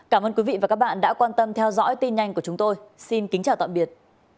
cảm ơn quý vị và các bạn đã quan tâm theo dõi tin nhanh của chúng tôi xin kính chào tạm biệt